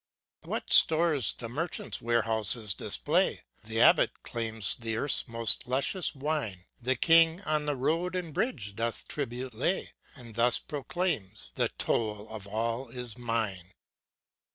What stores the Merchant's warehouses display! The Abbot claims the Earth's most luscious wine, The King, on road, and bridge, doth tribute lay, And thus proclaims: ŌĆ×The toll of all is mine!"